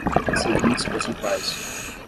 seguintes percentuais